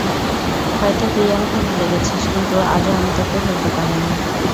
হয়তো তুই আমাকে ভুলে গেছিস, কিন্তু আজও আমি তোকে ভুলতে পারিনি।